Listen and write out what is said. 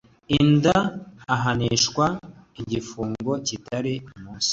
Inda ahanishwa igifungo kitari munsi